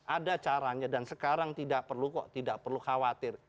ada caranya dan sekarang tidak perlu kok tidak perlu khawatir